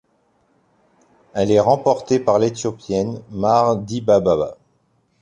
Elle est remportée par l'Éthiopienne Mare Dibaba.